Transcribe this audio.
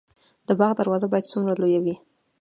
د باغ دروازه باید څومره لویه وي؟